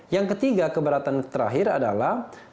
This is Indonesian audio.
yang ketiga keberatan terakhir adalah